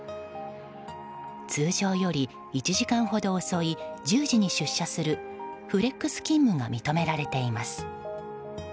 通常より１時間ほど遅い１０時に出社するフレックス勤務が認められています。